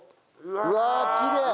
うわっきれい！